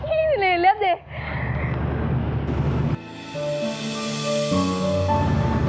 ini nih liat deh